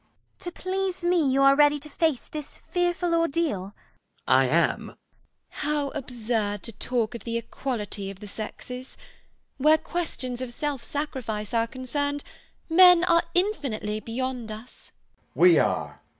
] To please me you are ready to face this fearful ordeal? ALGERNON. I am! GWENDOLEN. How absurd to talk of the equality of the sexes! Where questions of self sacrifice are concerned, men are infinitely beyond us.